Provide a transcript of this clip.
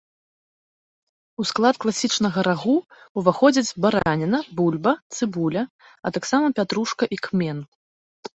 У склад класічнага рагу ўваходзяць бараніна, бульба, цыбуля, а таксама пятрушка і кмен.